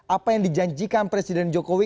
apa yang dijanjikan presiden jokowi